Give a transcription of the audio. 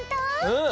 うん。